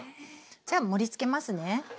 じゃあ盛りつけますね。